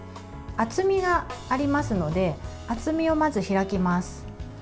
厚みがありますので厚みをまず開きます。